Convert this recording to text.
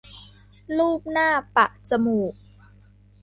ลูบหน้าปะจมูก